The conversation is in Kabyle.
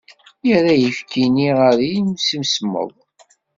Yerra ayefki-nni ɣer yimsismeḍ.